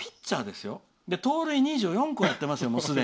すでに盗塁は２４個もやってますよ。